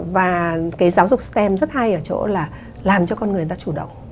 và cái giáo dục stem rất hay ở chỗ là làm cho con người ta chủ động